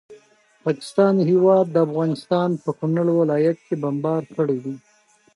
د ده په خبره اتریشیانو زموږ سیمه سخته بمباري کړې.